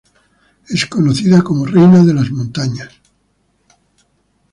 Es conocida como "Queen of the Mountains" o Reina de las Montañas.